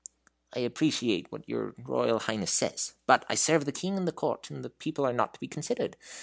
"I appreciate what your Royal Highness says; but I serve the King and the Court, and the people are not to be considered.